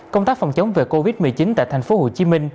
công tác phòng chống về covid một mươi chín tại tp hcm